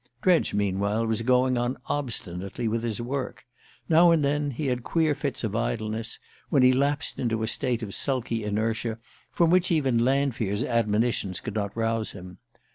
Dredge meanwhile was going on obstinately with his work. Now and then he had queer fits of idleness, when he lapsed into a state of sulky inertia from which even Lanfear's admonitions could not rouse him.